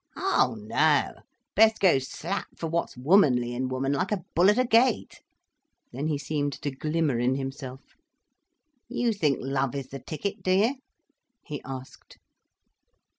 "Oh no. Best go slap for what's womanly in woman, like a bull at a gate." Then he seemed to glimmer in himself. "You think love is the ticket, do you?" he asked.